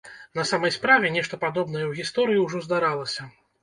На самай справе, нешта падобнае ў гісторыі ўжо здаралася.